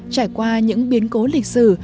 trải qua những biến cố lịch sử